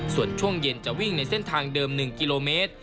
ส่วนช่วงเย็นจะวิ่งในเส้นทางเดิม๑กิโลเมตร